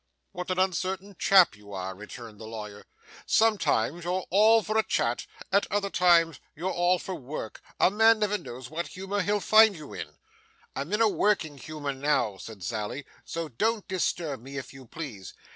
'What an uncertain chap you are!' returned the lawyer. 'Sometimes you're all for a chat. At another time you're all for work. A man never knows what humour he'll find you in.' 'I'm in a working humour now,' said Sally, 'so don't disturb me, if you please.